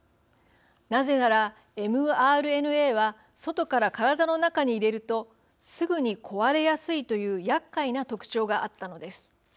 なぜならｍＲＮＡは外から体の中に入れるとすぐに壊れやすいという厄介な特徴があったのです。